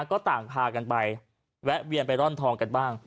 ก็ต่างพากันไปแวะเวียนไปร่อนทองกันบ้าง